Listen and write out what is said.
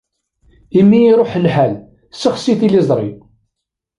Imi i iṛuḥ lḥal, ssexsi tiliẓri.